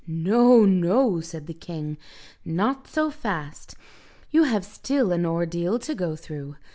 "No, no," said the king, "not so fast. You have still an ordeal to go through.